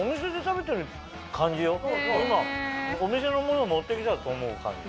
今お店のもの持ってきたと思う感じ。